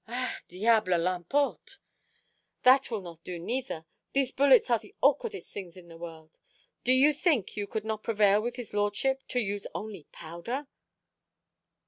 "Ah, diable l'emporte! That will not do neither. These bullets are the aukwardest things in the world. Do you think you could not prevail with his Lordship to use only powder?"